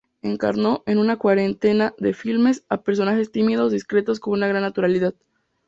Encarnó, en una cuarentena de filmes, a personajes tímidos, discretos, con una gran naturalidad.